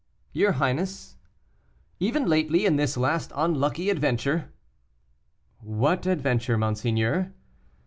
"Your highness " "Even lately, in this last unlucky adventure " "What adventure, monseigneur?"